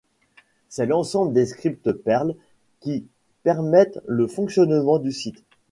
C'est l'ensemble des scripts Perl qui permettent le fonctionnement du site.